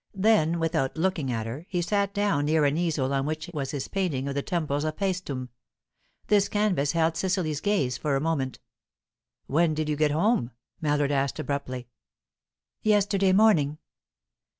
Then, without looking at her, he sat down near an easel on which was his painting of the temples of Paestum. This canvas held Cecily's gaze for a moment. "When did you get home?" Mallard asked abruptly. "Yesterday morning."